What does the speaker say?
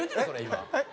今。